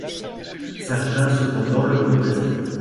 Certains cependant le conteste.